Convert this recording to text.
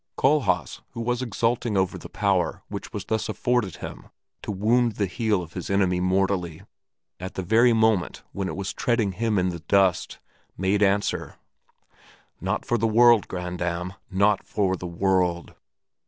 Kohlhaas, who was exulting over the power which was thus afforded him to wound the heel of his enemy mortally at the very moment when it was treading him in the dust, made answer, "Not for the world, grandam, not for the world!"